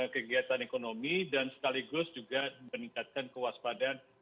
kegiatan ekonomi dan sekaligus juga meningkatkan kewaspadaan